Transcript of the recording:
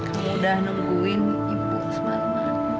kamu udah nungguin ibu semalam